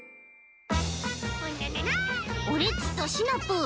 オレっちとシナプー